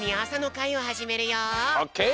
オッケー！